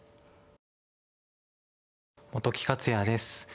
本木克弥です。